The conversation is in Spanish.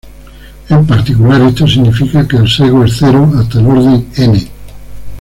En particular, esto significa que el sesgo es cero hasta el orden "n".